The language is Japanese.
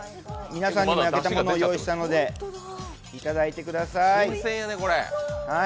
皆さんには焼けたものを用意したので頂いてください。